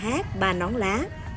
nhà hát bà nón lá